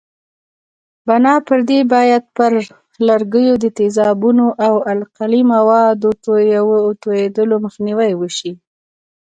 بنا پر دې باید پر لرګیو د تیزابونو او القلي موادو توېدلو مخنیوی وشي.